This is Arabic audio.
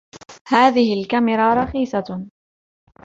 هذه الكاميرا رخيصة.